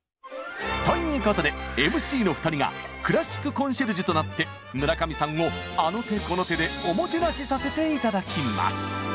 ということでＭＣの２人がクラシックコンシェルジュとなって村上さんをあの手この手で「おもてなし」させて頂きます。